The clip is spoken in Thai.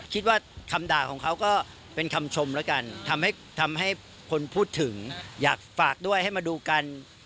คิดว่าคำด่าของเขาก็เป็นคำชมแล้วกันทำให้คนพูดถึงอยากฝากด้วยให้มาดูกัน